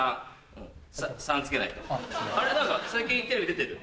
何か最近テレビ出てる？